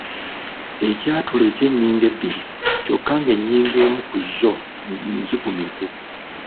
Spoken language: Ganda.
Ekyatulo eky’ennyingo ebbiri kyokka ng’ennyingo emu ku zo nzigumivu.